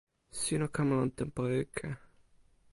sina kama lon tenpo ike.